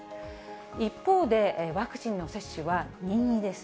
一方で、ワクチンの接種は任意です。